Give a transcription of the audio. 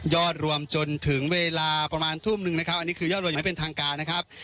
รวมจนถึงเวลาประมาณทุ่มหนึ่งนะครับอันนี้คือยอดรวมยังไม่เป็นทางการนะครับ